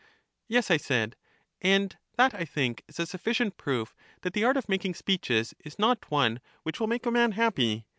Yes, I said ; and that I think is a sufficient proof 248 EUTHYDEMUS that the art of making speeches is not one which will make a man happy.